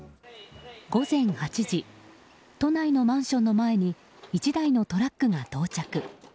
午前８時都内のマンションの前に１台のトラックが到着。